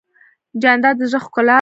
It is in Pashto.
جانداد د زړه ښکلا لري.